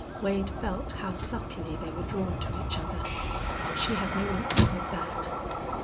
Wade felt how subtly they were drawn to each other. But she had no inkling of that.